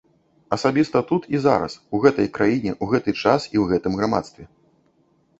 Асабіста тут і зараз, у гэтай краіне, у гэты час і ў гэтым грамадстве.